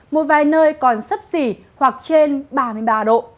một vài nơi còn sấp xỉ hoặc trên ba mươi ba độ